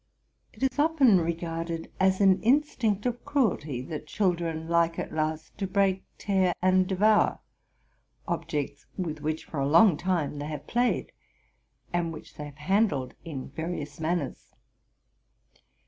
It is often regarded as an instinct of cruelty that children like at last to break, tear, and devour objects with which for a long time they have played, and which they have handled in various manners.